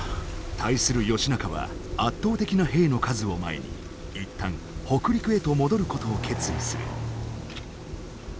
対する義仲は圧倒的な兵の数を前に一旦北陸へと戻ることを決意する。